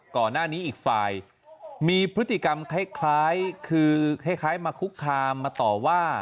ก่อนหน้านี้อีกฝ่ายมีพฤติกรรมคล้ายคือคล้ายมาคุกคามมาต่อว่า